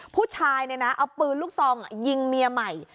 ผู้ชายเนี่ยนะเอาปืนลูกซองยิงเมียใหม่